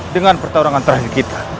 dengan pertarungan terakhir kita